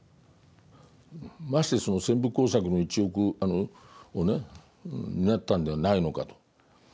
ましてその宣撫工作の一翼をね担ったんではないのかと。